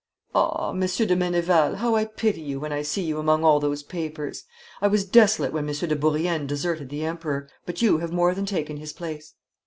Ah, Monsieur de Meneval, how I pity you when I see you among all those papers! I was desolate when Monsieur de Bourrienne deserted the Emperor, but you have more than taken his place.